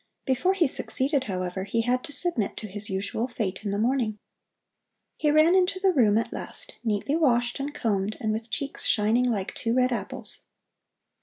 Before he succeeded, however, he had to submit to his usual fate in the morning. He ran into the room at last, neatly washed and combed and with cheeks shining like two red apples.